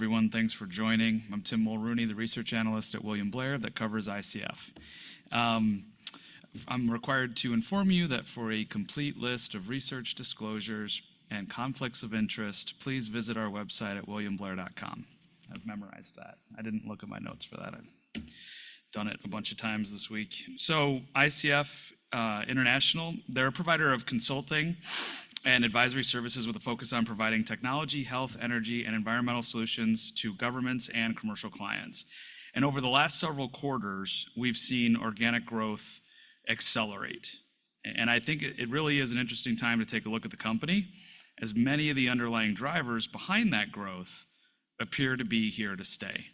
Everyone, thanks for joining. I'm Tim Mulrooney, the research analyst at William Blair that covers ICF. I'm required to inform you that for a complete list of research disclosures and conflicts of interest, please visit our website at williamblair.com. I've memorized that. I didn't look at my notes for that. I've done it a bunch of times this week. So ICF International, they're a provider of consulting and advisory services with a focus on providing technology, health, energy, and environmental solutions to governments and commercial clients. Over the last several quarters, we've seen organic growth accelerate, and I think it really is an interesting time to take a look at the company, as many of the underlying drivers behind that growth appear to be here to stay.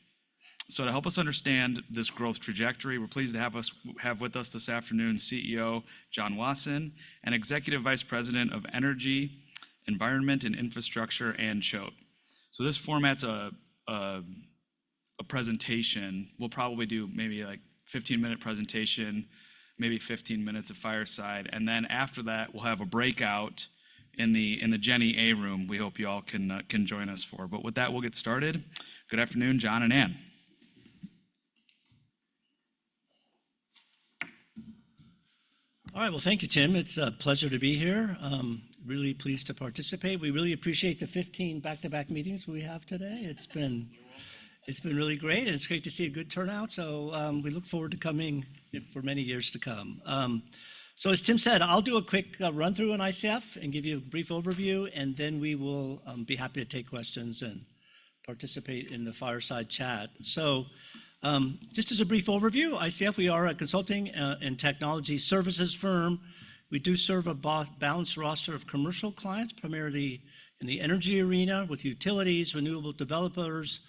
So to help us understand this growth trajectory, we're pleased to have with us this afternoon, CEO John Wasson and Executive Vice President of Energy, Environment and Infrastructure, Anne Choate. So this format's a presentation. We'll probably do maybe, like, 15-minute presentation, maybe 15 minutes of fireside, and then after that, we'll have a breakout in the Jenny A room we hope you all can join us for. But with that, we'll get started. Good afternoon, John and Anne. All right, well, thank you, Tim. It's a pleasure to be here. Really pleased to participate. We really appreciate the 15 back-to-back meetings we have today. It's been, it's been really great, and it's great to see a good turnout, so we look forward to coming for many years to come. So as Tim said, I'll do a quick run-through on ICF and give you a brief overview, and then we will be happy to take questions and participate in the fireside chat. So just as a brief overview, ICF, we are a consulting and technology services firm. We do serve a balanced roster of commercial clients, primarily in the energy arena, with utilities, renewable developers,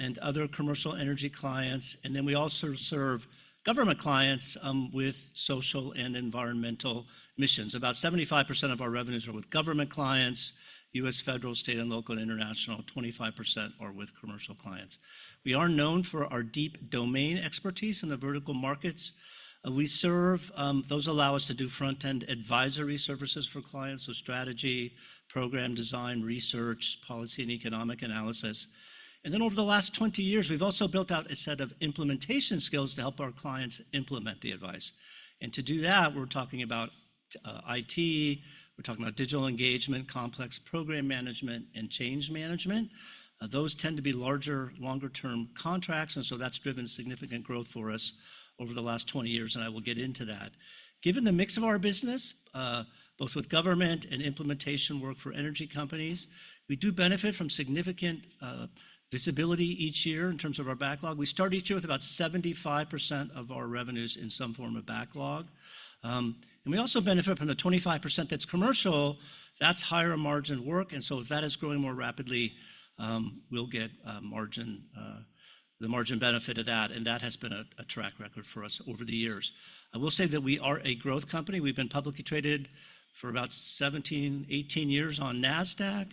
and other commercial energy clients. And then we also serve government clients with social and environmental missions. About 75% of our revenues are with government clients, U.S. federal, state, and local, and international. 25% are with commercial clients. We are known for our deep domain expertise in the vertical markets. Those allow us to do front-end advisory services for clients, so strategy, program design, research, policy, and economic analysis. Then, over the last 20 years, we've also built out a set of implementation skills to help our clients implement the advice. To do that, we're talking about IT, we're talking about digital engagement, complex program management, and change management. Those tend to be larger, longer-term contracts, and so that's driven significant growth for us over the last 20 years, and I will get into that. Given the mix of our business, both with government and implementation work for energy companies, we do benefit from significant visibility each year in terms of our backlog. We start each year with about 75% of our revenues in some form of backlog. We also benefit from the 25% that's commercial. That's higher-margin work, and so if that is growing more rapidly, we'll get a margin, the margin benefit of that, and that has been a track record for us over the years. I will say that we are a growth company. We've been publicly traded for about 17, 18 years on Nasdaq.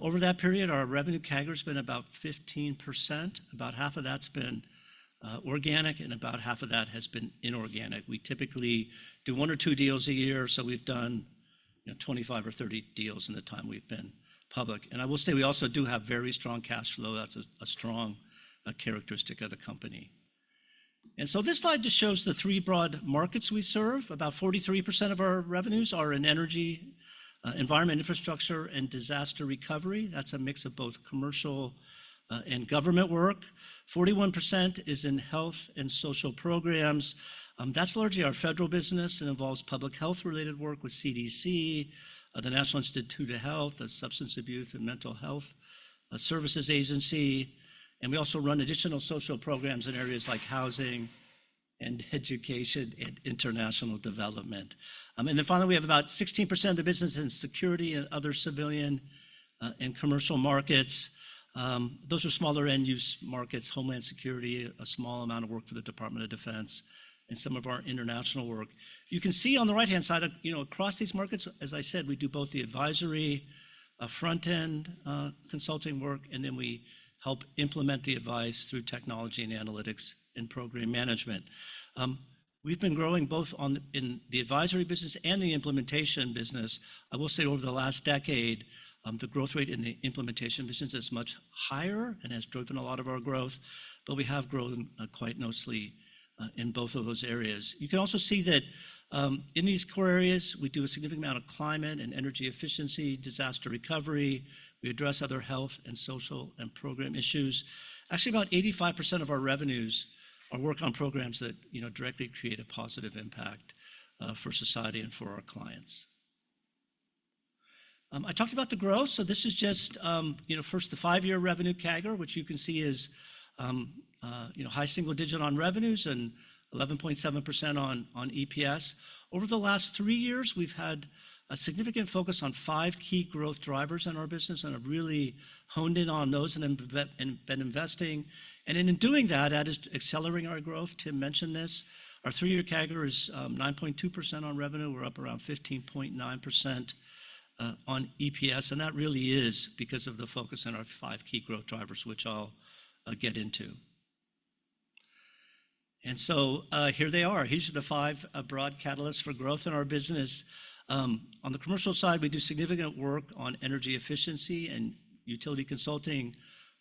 Over that period, our revenue CAGR has been about 15%. About half of that's been organic, and about half of that has been inorganic. We typically do 1 or 2 deals a year, so we've done, you know, 25 or 30 deals in the time we've been public. And I will say, we also do have very strong cash flow. That's a strong characteristic of the company. And so this slide just shows the three broad markets we serve. About 43% of our revenues are in energy, environment, infrastructure, and disaster recovery. That's a mix of both commercial and government work. 41% is in health and social programs. That's largely our federal business and involves public health-related work with CDC, the National Institutes of Health, the Substance Abuse and Mental Health Services Agency, and we also run additional social programs in areas like housing and education and international development. And then finally, we have about 16% of the business in security and other civilian, and commercial markets. Those are smaller end-use markets, Homeland Security, a small amount of work for the Department of Defense, and some of our international work. You can see on the right-hand side, you know, across these markets, as I said, we do both the advisory, front-end, consulting work, and then we help implement the advice through technology and analytics and program management. We've been growing both in the advisory business and the implementation business. I will say, over the last decade, the growth rate in the implementation business is much higher and has driven a lot of our growth, but we have grown, quite nicely, in both of those areas. You can also see that, in these core areas, we do a significant amount of climate and energy efficiency, disaster recovery. We address other health and social and program issues. Actually, about 85% of our revenues are work on programs that, you know, directly create a positive impact, for society and for our clients. I talked about the growth, so this is just, you know, first, the five-year revenue CAGR, which you can see is, you know, high single digit on revenues and 11.7% on EPS. Over the last three years, we've had a significant focus on five key growth drivers in our business and have really honed in on those and then and been investing. And in doing that, that is accelerating our growth. Tim mentioned this. Our three-year CAGR is 9.2% on revenue. We're up around 15.9% on EPS, and that really is because of the focus on our five key growth drivers, which I'll get into. So, here they are. These are the five broad catalysts for growth in our business. On the commercial side, we do significant work on energy efficiency and utility consulting,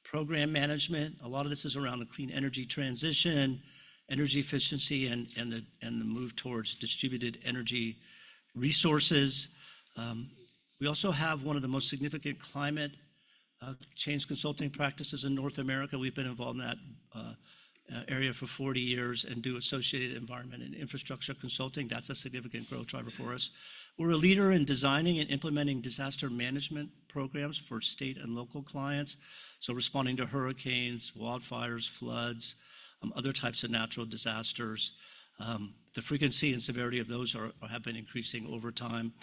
program management. A lot of this is around the clean energy transition, energy efficiency, and the move towards distributed energy resources. We also have one of the most significant climate change consulting practices in North America. We've been involved in that area for 40 years and do associated environment and infrastructure consulting. That's a significant growth driver for us. We're a leader in designing and implementing disaster management programs for state and local clients, so responding to hurricanes, wildfires, floods, other types of natural disasters. The frequency and severity of those have been increasing over time.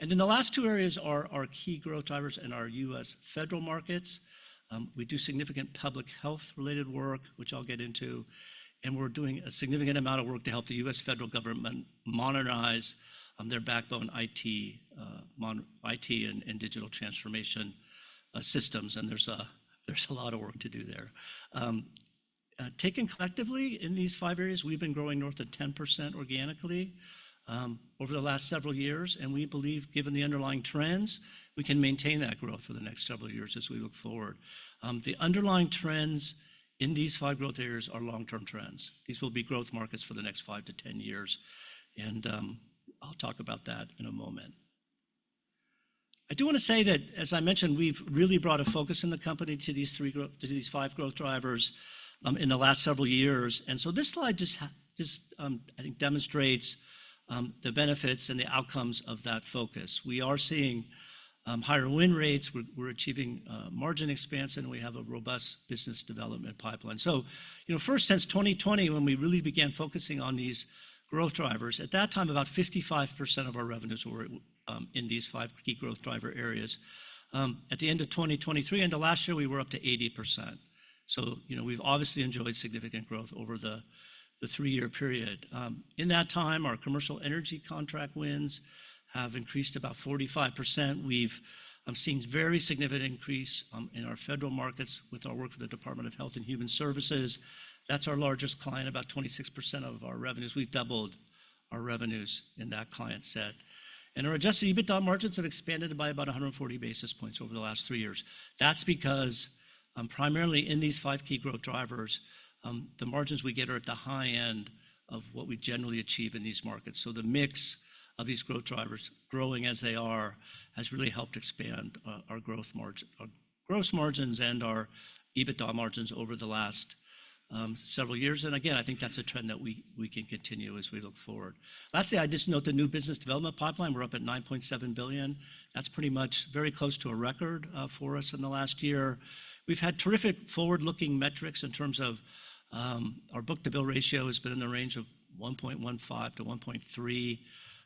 And then the last two areas are our key growth drivers in our U.S. federal markets. We do significant public health-related work, which I'll get into, and we're doing a significant amount of work to help the U.S. federal government modernize their backbone IT and digital transformation systems, and there's a lot of work to do there. Taken collectively in these five areas, we've been growing north of 10% organically over the last several years, and we believe, given the underlying trends, we can maintain that growth for the next several years as we look forward. The underlying trends in these five growth areas are long-term trends. These will be growth markets for the next five to 10 years, and I'll talk about that in a moment. I do wanna say that, as I mentioned, we've really brought a focus in the company to these five growth drivers in the last several years. So this slide just, I think demonstrates the benefits and the outcomes of that focus. We are seeing higher win rates. We're achieving margin expansion, and we have a robust business development pipeline. So, you know, first, since 2020, when we really began focusing on these growth drivers, at that time, about 55% of our revenues were in these five key growth driver areas. At the end of 2023, end of last year, we were up to 80%. So, you know, we've obviously enjoyed significant growth over the three-year period. In that time, our commercial energy contract wins have increased about 45%. We've seen very significant increase in our federal markets with our work for the Department of Health and Human Services. That's our largest client, about 26% of our revenues. We've doubled our revenues in that client set. And our adjusted EBITDA margins have expanded by about 140 basis points over the last three years. That's because, primarily in these five key growth drivers, the margins we get are at the high end of what we generally achieve in these markets. So the mix of these growth drivers, growing as they are, has really helped expand our growth margin, gross margins and our EBITDA margins over the last several years. And again, I think that's a trend that we can continue as we look forward. Lastly, I just note the new business development pipeline; we're up at $9.7 billion. That's pretty much very close to a record for us in the last year. We've had terrific forward-looking metrics in terms of our book-to-bill ratio has been in the range of 1.15-1.3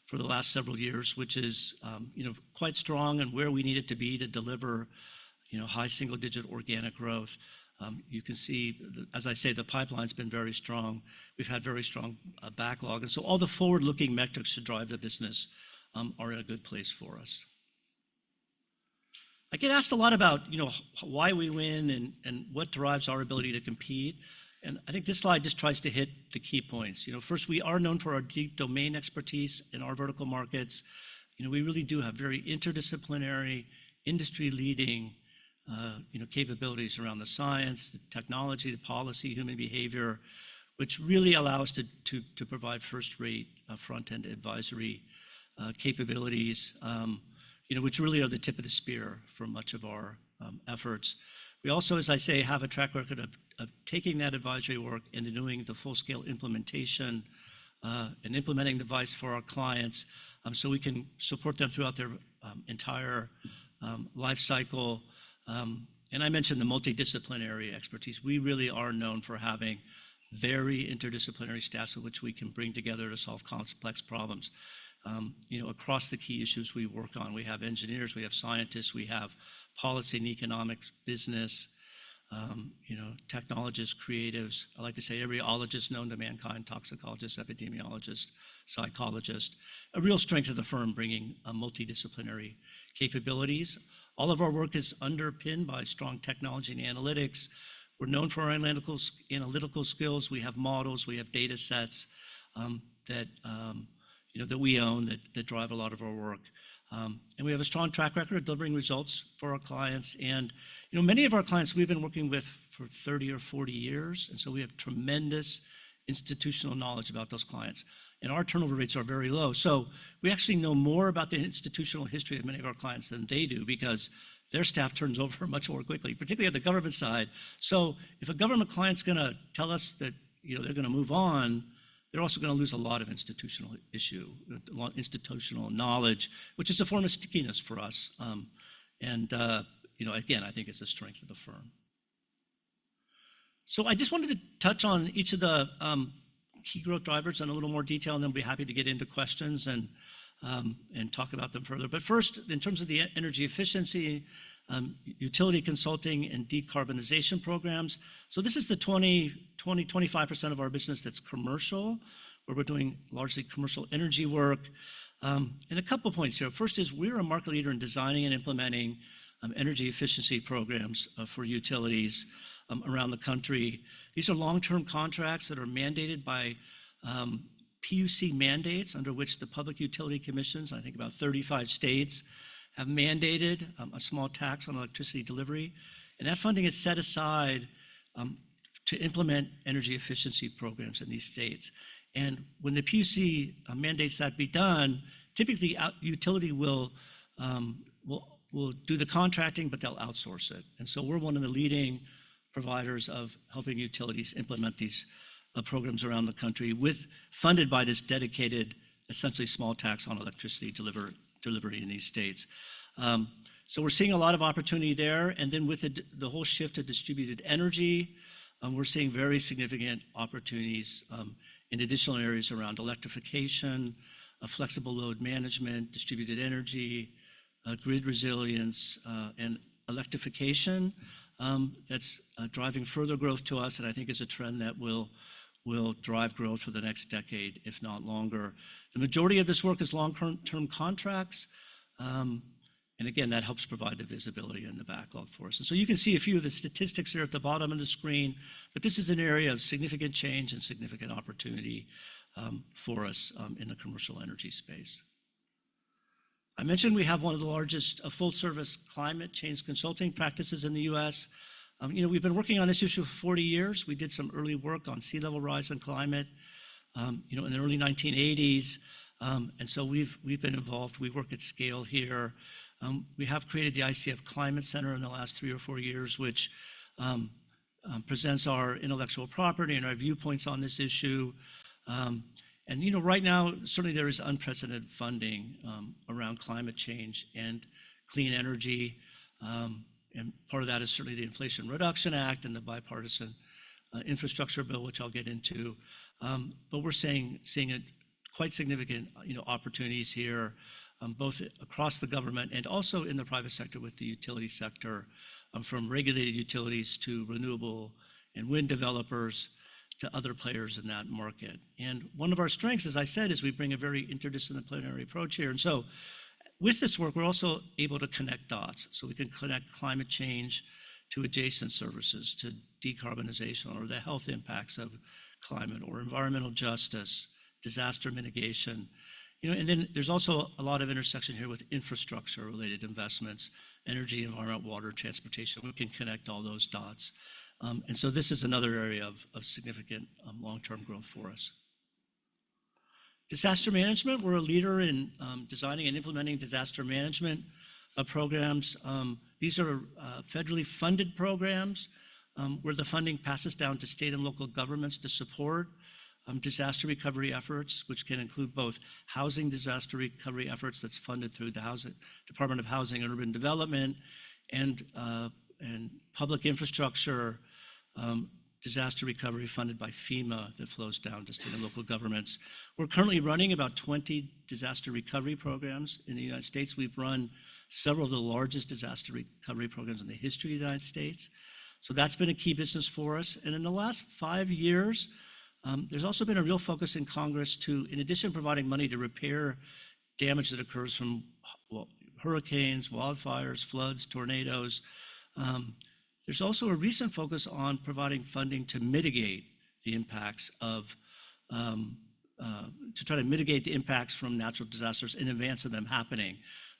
for the last several years, which is, you know, quite strong and where we need it to be to deliver, you know, high single-digit organic growth. You can see, as I say, the pipeline's been very strong. We've had very strong backlog, and so all the forward-looking metrics to drive the business are in a good place for us. I get asked a lot about, you know, why we win and what drives our ability to compete, and I think this slide just tries to hit the key points. You know, first, we are known for our deep domain expertise in our vertical markets. You know, we really do have very interdisciplinary, industry-leading capabilities around the science, the technology, the policy, human behavior, which really allow us to provide first-rate front-end advisory capabilities, you know, which really are the tip of the spear for much of our efforts. We also, as I say, have a track record of taking that advisory work into doing the full-scale implementation, and implementing devices for our clients, so we can support them throughout their entire life cycle. And I mentioned the multidisciplinary expertise. We really are known for having very interdisciplinary staffs of which we can bring together to solve complex problems. You know, across the key issues we work on, we have engineers, we have scientists, we have policy and economics, business, you know, technologists, creatives. I like to say every ologist known to mankind: toxicologist, epidemiologist, psychologist. A real strength of the firm, bringing a multidisciplinary capabilities. All of our work is underpinned by strong technology and analytics. We're known for our analytical skills. We have models, we have data sets, that, you know, that we own, that drive a lot of our work. And we have a strong track record of delivering results for our clients and, you know, many of our clients we've been working with for 30 or 40 years, and so we have tremendous institutional knowledge about those clients, and our turnover rates are very low. So we actually know more about the institutional history of many of our clients than they do because their staff turns over much more quickly, particularly on the government side. So if a government client's gonna tell us that, you know, they're gonna move on, they're also gonna lose a lot of institutional knowledge, which is a form of stickiness for us. And, you know, again, I think it's a strength of the firm. So I just wanted to touch on each of the key growth drivers in a little more detail, and then I'll be happy to get into questions and talk about them further. But first, in terms of the energy efficiency, utility consulting, and decarbonization programs, so this is the 25% of our business that's commercial, where we're doing largely commercial energy work. And a couple points here. First is we're a market leader in designing and implementing energy efficiency programs for utilities around the country. These are long-term contracts that are mandated by PUC mandates, under which the Public Utility Commissions, I think about 35 states, have mandated a small tax on electricity delivery, and that funding is set aside to implement energy efficiency programs in these states. When the PUC mandates that be done, typically, a utility will, will do the contracting, but they'll outsource it. So we're one of the leading providers of helping utilities implement these programs around the country, funded by this dedicated, essentially small tax on electricity delivery in these states. So we're seeing a lot of opportunity there. And then with the whole shift to distributed energy, we're seeing very significant opportunities in additional areas around electrification, flexible load management, distributed energy, grid resilience, and electrification. That's driving further growth to us, and I think is a trend that will drive growth for the next decade, if not longer. The majority of this work is long-term contracts, and again, that helps provide the visibility and the backlog for us. And so you can see a few of the statistics here at the bottom of the screen, but this is an area of significant change and significant opportunity for us in the commercial energy space. I mentioned we have one of the largest full-service climate change consulting practices in the U.S. You know, we've been working on this issue for 40 years. We did some early work on sea level rise and climate, you know, in the early 1980s. And so we've been involved. We work at scale here. We have created the ICF Climate Center in the last three or four years, which presents our intellectual property and our viewpoints on this issue. You know, right now, certainly there is unprecedented funding around climate change and clean energy, and part of that is certainly the Inflation Reduction Act and the Bipartisan Infrastructure Bill, which I'll get into. But we're seeing a quite significant, you know, opportunities here, both across the government and also in the private sector with the utility sector, from regulated utilities to renewable and wind developers, to other players in that market. One of our strengths, as I said, is we bring a very interdisciplinary approach here. So with this work, we're also able to connect dots. We can connect climate change to adjacent services, to decarbonization or the health impacts of climate or environmental justice, disaster mitigation. You know, and then there's also a lot of intersection here with infrastructure-related investments: energy, environment, water, transportation. We can connect all those dots. So this is another area of significant long-term growth for us. Disaster management, we're a leader in designing and implementing disaster management programs. These are federally funded programs where the funding passes down to state and local governments to support disaster recovery efforts, which can include both housing disaster recovery efforts, that's funded through the Department of Housing and Urban Development, and public infrastructure disaster recovery funded by FEMA, that flows down to state and local governments. We're currently running about 20 disaster recovery programs in the United States. We've run several of the largest disaster recovery programs in the history of the United States, so that's been a key business for us. In the last five years, there's also been a real focus in Congress to, in addition to providing money to repair damage that occurs from, well, hurricanes, wildfires, floods, tornadoes, there's also a recent focus on providing funding to mitigate the impacts of, to try to mitigate the impacts from natural disasters in advance of them happening.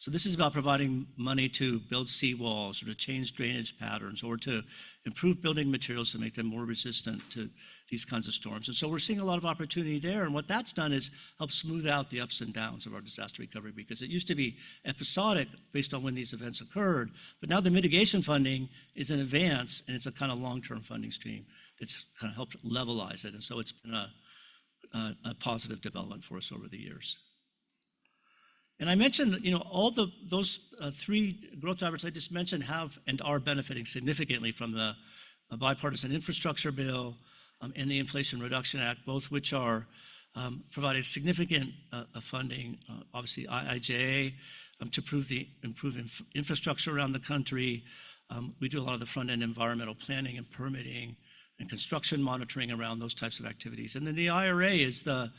This is about providing money to build sea walls, or to change drainage patterns, or to improve building materials to make them more resistant to these kinds of storms. We're seeing a lot of opportunity there, and what that's done is help smooth out the ups and downs of our disaster recovery. Because it used to be episodic, based on when these events occurred, but now the mitigation funding is in advance, and it's a kinda long-term funding stream that's kinda helped levelize it, and so it's been a positive development for us over the years. And I mentioned that, you know, all those three growth drivers I just mentioned have and are benefiting significantly from the Bipartisan Infrastructure Bill and the Inflation Reduction Act, both which are providing significant funding, obviously IIJA, to improve infrastructure around the country. We do a lot of the front-end environmental planning and permitting, and construction monitoring around those types of activities. Then the IRA is the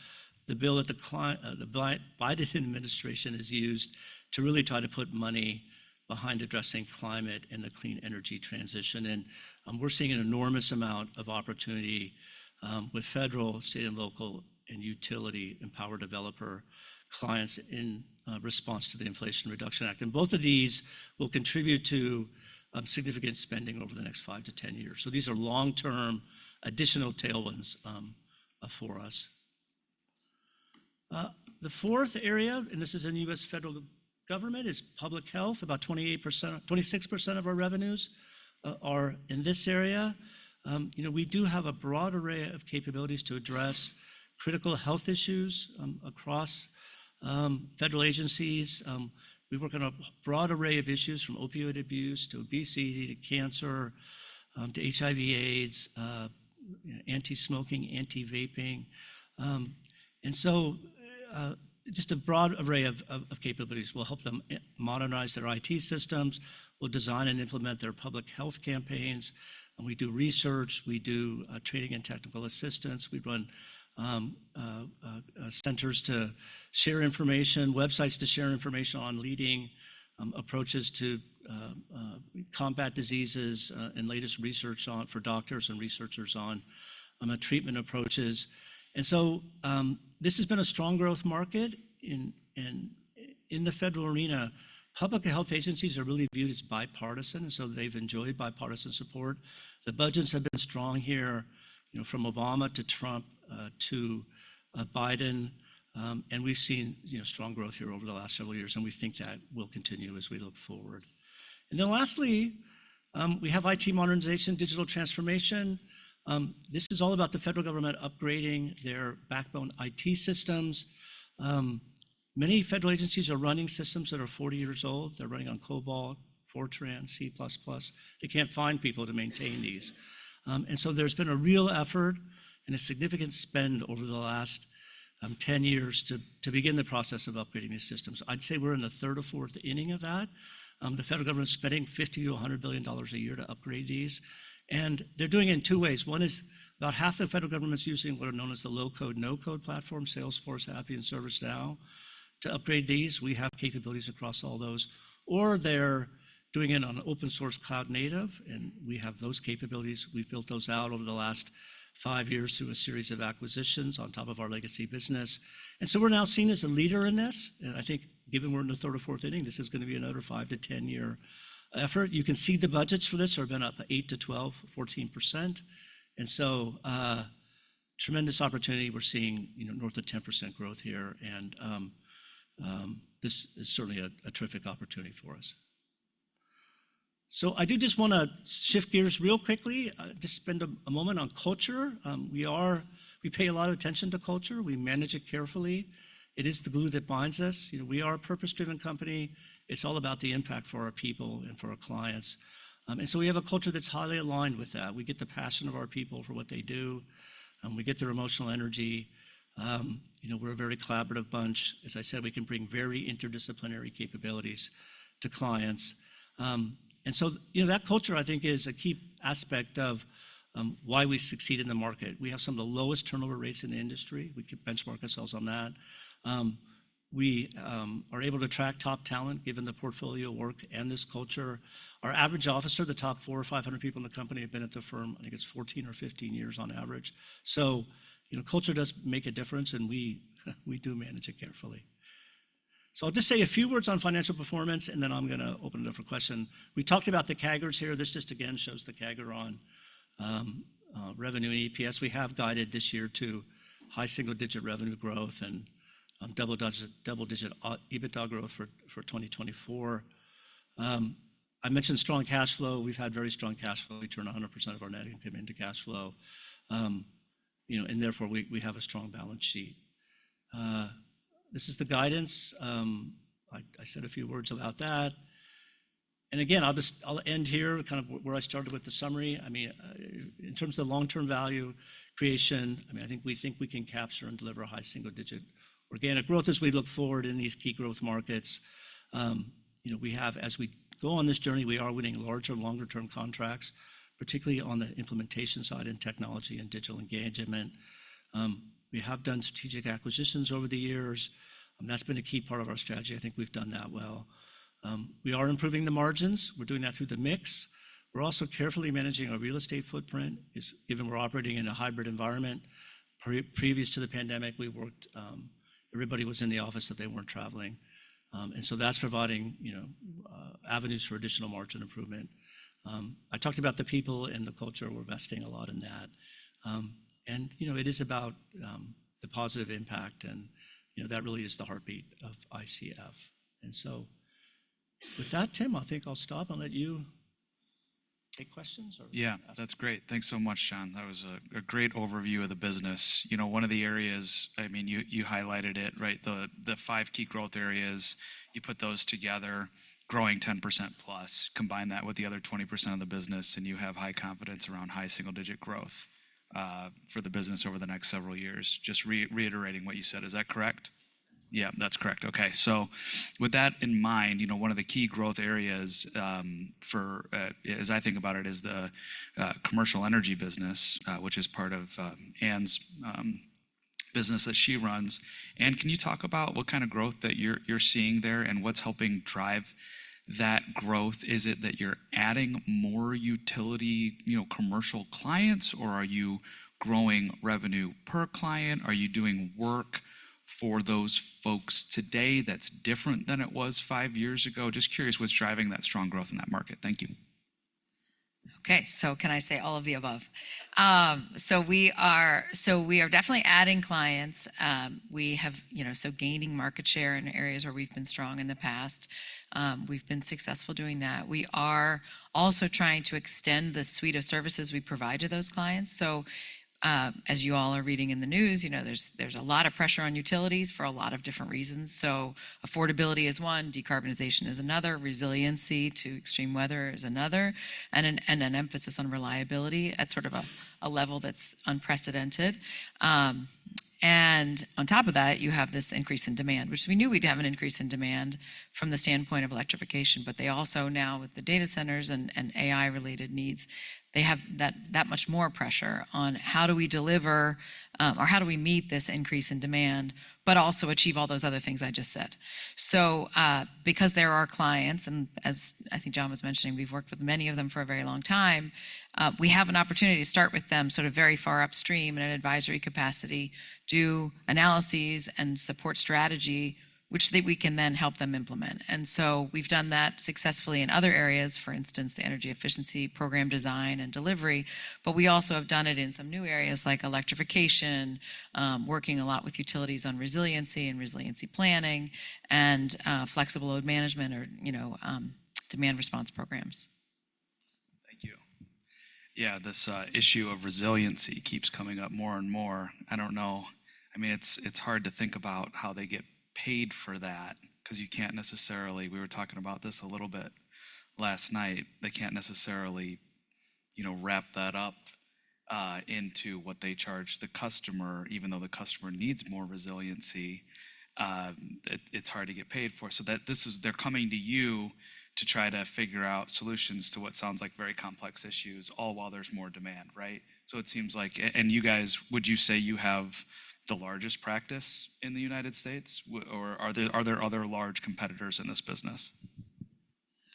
bill that the Biden administration has used to really try to put money behind addressing climate and the clean energy transition. We're seeing an enormous amount of opportunity with federal, state, and local, and utility, and power developer clients in response to the Inflation Reduction Act. And both of these will contribute to significant spending over the next 5-10 years. So these are long-term, additional tailwinds for us. The fourth area, and this is in U.S. federal government, is public health. About 28%, 26% of our revenues are in this area. You know, we do have a broad array of capabilities to address critical health issues across federal agencies. We work on a broad array of issues, from opioid abuse, to obesity, to cancer, to HIV/AIDS, you know, anti-smoking, anti-vaping. And so, just a broad array of capabilities. We'll help them modernize their IT systems, we'll design and implement their public health campaigns, and we do research, we do training and technical assistance, we run centers to share information, websites to share information on leading approaches to combat diseases, and latest research on, for doctors and researchers on the treatment approaches. And so, this has been a strong growth market in the federal arena. Public health agencies are really viewed as bipartisan, and so they've enjoyed bipartisan support. The budgets have been strong here, you know, from Obama to Trump, to Biden. And we've seen, you know, strong growth here over the last several years, and we think that will continue as we look forward. And then lastly, we have IT modernization, digital transformation. This is all about the federal government upgrading their backbone IT systems. Many federal agencies are running systems that are 40 years old. They're running on COBOL, Fortran, C++. They can't find people to maintain these. And so there's been a real effort and a significant spend over the last 10 years to begin the process of upgrading these systems. I'd say we're in the third or fourth inning of that. The federal government's spending $50 billion-$100 billion a year to upgrade these, and they're doing it in two ways. One is about half the federal government's using what are known as the low-code, no-code platform, Salesforce, Appian, ServiceNow. To upgrade these, we have capabilities across all those. Or they're doing it on open source cloud native, and we have those capabilities. We've built those out over the last 5 years through a series of acquisitions on top of our legacy business. And so we're now seen as a leader in this, and I think given we're in the third or fourth inning, this is gonna be another 5- to 10-year effort. You can see the budgets for this have been up 8%-12%, 14%. And so, tremendous opportunity. We're seeing, you know, north of 10 percent growth here, and, this is certainly a terrific opportunity for us. So I do just wanna shift gears real quickly, just spend a moment on culture. We pay a lot of attention to culture. We manage it carefully. It is the glue that binds us. You know, we are a purpose-driven company. It's all about the impact for our people and for our clients. And so we have a culture that's highly aligned with that. We get the passion of our people for what they do, and we get their emotional energy. You know, we're a very collaborative bunch. As I said, we can bring very interdisciplinary capabilities to clients. And so, you know, that culture, I think, is a key aspect of why we succeed in the market. We have some of the lowest turnover rates in the industry. We can benchmark ourselves on that. We are able to attract top talent, given the portfolio work and this culture. Our average officer, the top 400 or 500 people in the company, have been at the firm, I think it's 14 or 15 years on average. So, you know, culture does make a difference, and we do manage it carefully. So I'll just say a few words on financial performance, and then I'm gonna open it up for question. We talked about the CAGRs here. This just again shows the CAGR on revenue and EPS. We have guided this year to high single-digit revenue growth and double-digit EBITDA growth for 2024. I mentioned strong cash flow. We've had very strong cash flow. We turn 100% of our net payment into cash flow. You know, and therefore, we, we have a strong balance sheet. This is the guidance. I said a few words about that. And again, I'll just. I'll end here, where I started with the summary. I mean, in terms of long-term value creation, I mean, I think we think we can capture and deliver a high single-digit organic growth as we look forward in these key growth markets. You know, we have. As we go on this journey, we are winning larger, longer-term contracts, particularly on the implementation side in technology and digital engagement. We have done strategic acquisitions over the years, and that's been a key part of our strategy. I think we've done that well. We are improving the margins. We're doing that through the mix. We're also carefully managing our real estate footprint, even we're operating in a hybrid environment. Previous to the pandemic, we worked... Everybody was in the office, that they weren't traveling. And so that's providing, you know, avenues for additional margin improvement. I talked about the people and the culture. We're investing a lot in that. And, you know, it is about the positive impact, and, you know, that really is the heartbeat of ICF. And so with that, Tim, I think I'll stop and let you take questions or- Yeah, that's great. Thanks so much, John. That was a great overview of the business. You know, one of the areas, I mean, you highlighted it, right? The five key growth areas, you put those together, growing 10%+. Combine that with the other 20% of the business, and you have high confidence around high single-digit growth for the business over the next several years. Just reiterating what you said. Is that correct? Yeah, that's correct. Okay. So with that in mind, you know, one of the key growth areas, as I think about it, is the commercial energy business, which is part of Anne's business that she runs. Anne, can you talk about what kind of growth that you're seeing there and what's helping drive that growth? Is it that you're adding more utility, you know, commercial clients, or are you growing revenue per client? Are you doing work for those folks today that's different than it was five years ago? Just curious, what's driving that strong growth in that market? Thank you. Okay, so can I say all of the above? So we are definitely adding clients. We have, you know, so gaining market share in areas where we've been strong in the past. We've been successful doing that. We are also trying to extend the suite of services we provide to those clients. So, as you all are reading in the news, you know, there's a lot of pressure on utilities for a lot of different reasons. So affordability is one, decarbonization is another, resiliency to extreme weather is another, and an emphasis on reliability at sort of a level that's unprecedented. And on top of that, you have this increase in demand, which we knew we'd have an increase in demand from the standpoint of electrification, but they also now, with the data centers and AI-related needs, they have that much more pressure on: How do we deliver, or how do we meet this increase in demand but also achieve all those other things I just said? So, because they're our clients, and as I think John was mentioning, we've worked with many of them for a very long time, we have an opportunity to start with them sort of very far upstream in an advisory capacity, do analyses and support strategy, which they—we can then help them implement. And so we've done that successfully in other areas, for instance, the energy efficiency program design and delivery, but we also have done it in some new areas like electrification, working a lot with utilities on resiliency and resiliency planning, and flexible load management or, you know, demand response programs. Thank you. Yeah, this issue of resiliency keeps coming up more and more. I don't know. I mean, it's hard to think about how they get paid for that, 'cause you can't necessarily... We were talking about this a little bit last night. They can't necessarily, you know, wrap that up into what they charge the customer, even though the customer needs more resiliency. It's hard to get paid for. So this is—they're coming to you to try to figure out solutions to what sounds like very complex issues, all while there's more demand, right? So it seems like... And you guys, would you say you have the largest practice in the United States? Or are there, are there other large competitors in this business?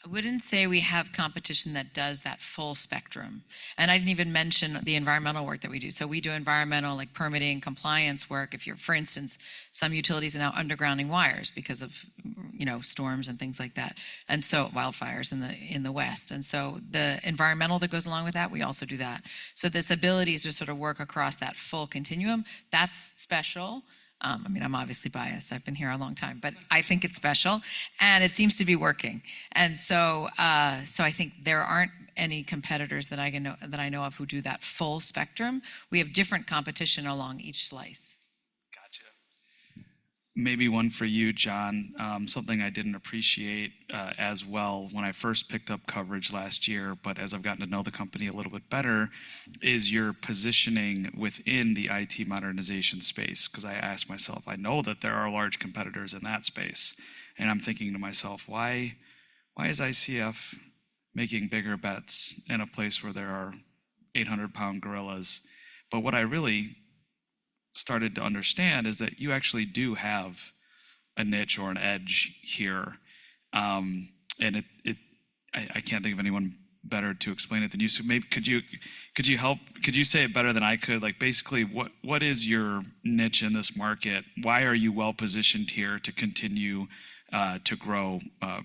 I wouldn't say we have competition that does that full spectrum. And I didn't even mention the environmental work that we do. So we do environmental, like permitting, compliance work. If you're—for instance, some utilities are now undergrounding wires because of, you know, storms and things like that, and so wildfires in the west. And so the environmental that goes along with that, we also do that. So this ability to sort of work across that full continuum, that's special. I mean, I'm obviously biased, I've been here a long time, but I think it's special, and it seems to be working. And so, so I think there aren't any competitors that I can know—that I know of who do that full spectrum. We have different competition along each slice. Gotcha. Maybe one for you, John. Something I didn't appreciate as well when I first picked up coverage last year, but as I've gotten to know the company a little bit better, is your positioning within the IT modernization space. 'Cause I asked myself, I know that there are large competitors in that space, and I'm thinking to myself: Why is ICF making bigger bets in a place where there are 800-pound gorillas? But what I really started to understand is that you actually do have a niche or an edge here. And it. I can't think of anyone better to explain it than you. So could you say it better than I could? Like, basically, what is your niche in this market? Why are you well-positioned here to continue to grow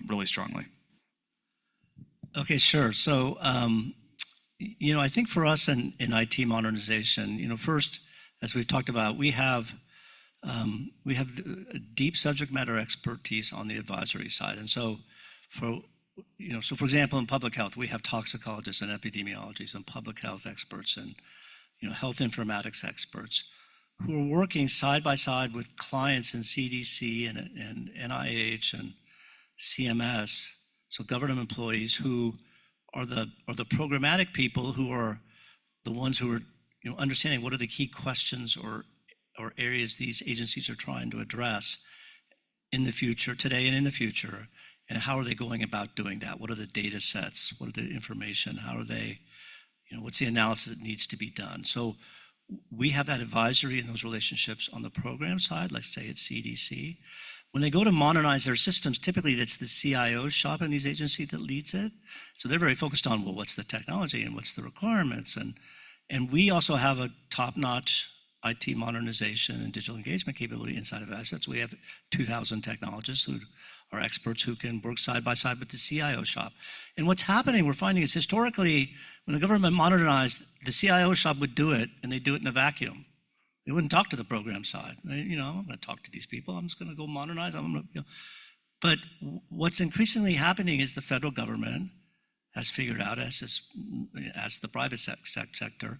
really strongly? Okay, sure. So, you know, I think for us in IT modernization, you know, first, as we've talked about, we have a deep subject matter expertise on the advisory side. And so for, you know, so, for example, in public health, we have toxicologists and epidemiologists and public health experts and, you know, health informatics experts who are working side by side with clients in CDC and NIH and CMS. So government employees who are the programmatic people, who are the ones who are, you know, understanding what are the key questions or areas these agencies are trying to address in the future, today and in the future, and how are they going about doing that? What are the data sets? What is the information? How are they... You know, what's the analysis that needs to be done? So we have that advisory and those relationships on the program side, let's say, at CDC. When they go to modernize their systems, typically, it's the CIO shop in these agencies that leads it. So they're very focused on: Well, what's the technology and what's the requirements? And, and we also have a top-notch IT modernization and digital engagement capability inside of ICF's. We have 2,000 technologists who are experts, who can work side by side with the CIO shop. And what's happening, we're finding, is historically, when the government modernized, the CIO shop would do it, and they'd do it in a vacuum. They wouldn't talk to the program side. They: "You know, I'm not going to talk to these people. I'm just going to go modernize. I'm going to..." You know. But what's increasingly happening is the federal government has figured out, as the private sector,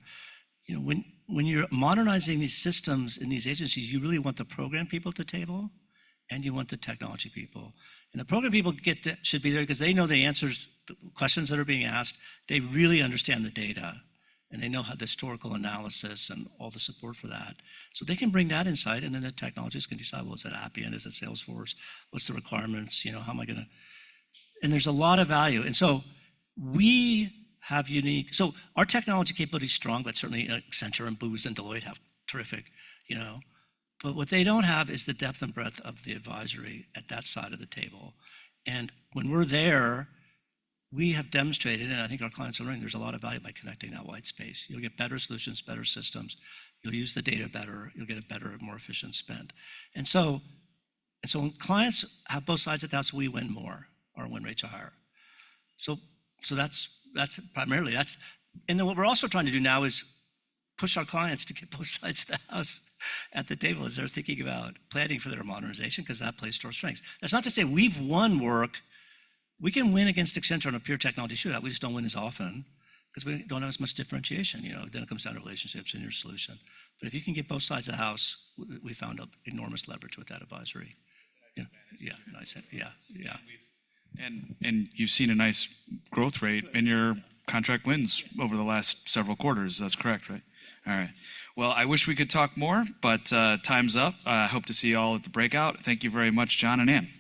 you know, when you're modernizing these systems in these agencies, you really want the program people at the table, and you want the technology people. And the program people should be there because they know the answers, the questions that are being asked, they really understand the data, and they know how the historical analysis and all the support for that. So they can bring that insight, and then the technologists can decide: Well, is it Appian? Is it Salesforce? What's the requirements? You know, how am I going to... And there's a lot of value. And so we have. So our technology capability is strong, but certainly, Accenture and Booz and Deloitte have terrific, you know... But what they don't have is the depth and breadth of the advisory at that side of the table. And when we're there, we have demonstrated, and I think our clients are learning, there's a lot of value by connecting that wide space. You'll get better solutions, better systems, you'll use the data better, you'll get a better and more efficient spend. And so when clients have both sides of the house, we win more, our win rates are higher. So that's primarily that's. And then what we're also trying to do now is push our clients to get both sides of the house at the table as they're thinking about planning for their modernization, 'cause that plays to our strengths. That's not to say we've won work. We can win against Accenture on a pure technology shootout. We just don't win as often, 'cause we don't have as much differentiation, you know. Then it comes down to relationships and your solution. But if you can get both sides of the house, we found an enormous leverage with that advisory. You've seen a nice growth rate in your contract wins over the last several quarters. That's correct, right? All right. Well, I wish we could talk more, but time's up. I hope to see you all at the breakout. Thank you very much, John and Anne.